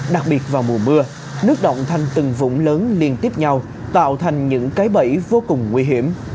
đặc biệt vào mùa mưa nước động thành từng vùng lớn liên tiếp nhau tạo thành những cái bẫy vô cùng nguy hiểm